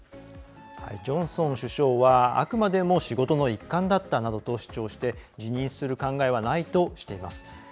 ジョンソン首相はあくまでも仕事の一環だったなどと主張して辞任する考えはないとしています。